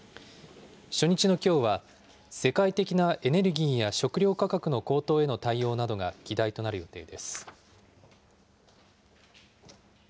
初日のきょうは、世界的なエネルギーや食料価格の高騰への対応などが議題となる予定です。